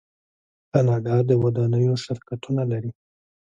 کاناډا د ودانیو شرکتونه لري.